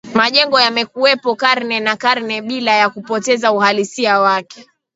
Majengo yamekuwepo karne na karne bila ya kupoteza uhalisia wake